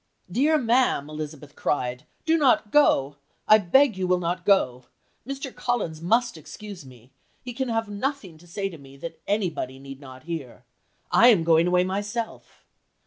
"Dear ma'am," Elizabeth cried, "do not go. I beg you will not go. Mr. Collins must excuse me. He can have nothing to say to me that anybody need not hear. I am going away myself."